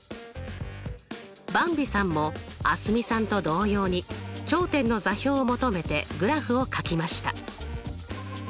ばんびさんも蒼澄さんと同様に頂点の座標を求めてグラフをかきました。